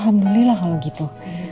alhamdulillah kalau gitu